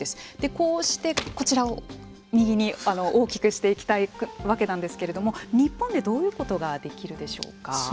こうして、こちらを右に大きくしていきたいわけなんですけれども日本ではどういうことができるでしょうか。